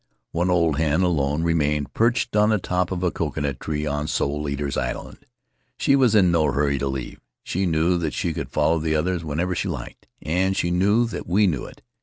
One old hen, alone, remained perched in the top of a An Adventure in Solitude coconut tree on Soul Eaters' Island. She was in no hurry to leave. She knew that she could follow the others whenever she liked, and she knew that we knew it.